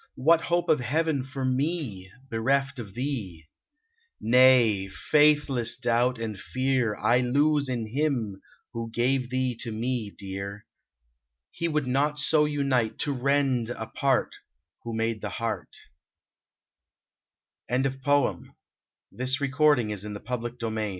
what hope of heaven for me Bereft of thee ? Nay : faithless doubt and fear I lose in Him who gave thee to me, dear 1 He would not so unite to rend apart, Who made the heart 1 130 DEMETER 'T^HOU, thou hast seen the c